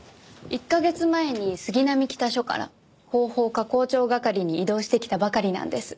１カ月前に杉並北署から広報課広聴係に異動してきたばかりなんです。